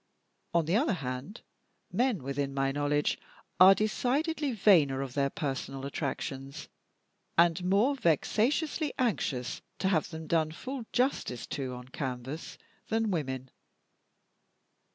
On the other hand, men, within my knowledge, are decidedly vainer of their personal attractions, and more vexatiously anxious to have them done full justice to on canvas, than women.